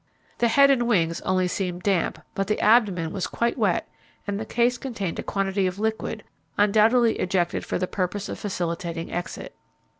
The head and wings only seemed damp, but the abdomen was quite wet, and the case contained a quantity of liquid, undoubtedly ejected for the purpose of facilitating exit.